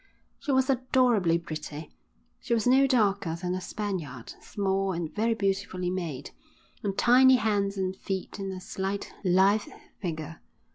She was adorably pretty. She was no darker than a Spaniard, small and very beautifully made, with tiny hands and feet, and a slight, lithe figure.